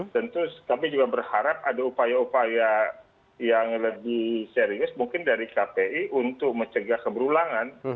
tentu kami juga berharap ada upaya upaya yang lebih serius mungkin dari kpi untuk mencegah keberulangan